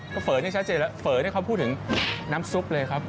ก็เฝอนี่ชัดเจนแล้วเฝอนี่เขาพูดถึงน้ำซุปเลยครับ